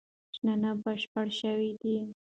شننه بشپړه شوې ده.